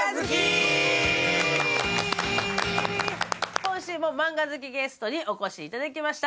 今週もマンガ好きゲストにお越しいただきました。